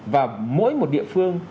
và mỗi một địa phương